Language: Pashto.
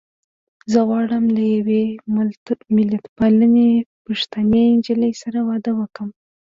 زه غواړم له يوې ملتپالې پښتنې نجيلۍ سره واده کوم.